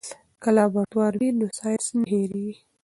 که لابراتوار وي نو ساینس نه هېریږي.